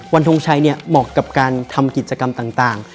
ทงชัยเนี่ยเหมาะกับการทำกิจกรรมต่าง